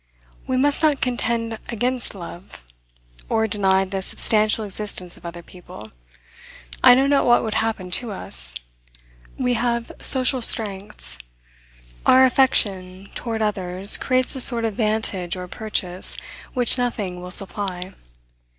We must not contend against love, or deny the substantial existence of other people. I know not what would happen to us. We have social strengths. Our affection toward others creates a sort of vantage or purchase which nothing will supply.